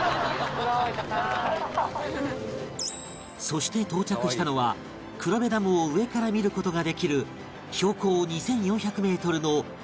そして到着したのは黒部ダムを上から見る事ができる標高２４００メートルの大観峰